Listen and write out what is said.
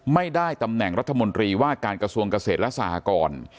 ไม่ได้ตำแหน่งรัฐมนตรีว่าการกระทรวงเกษตรและสหกร